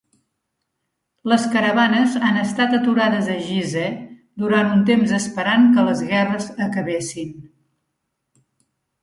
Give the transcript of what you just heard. Les caravanes han estat aturades a Gizeh durant un temps esperant que les guerres acabessin.